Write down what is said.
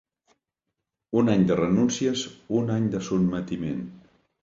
Un any de renúncies, un any de sotmetiment.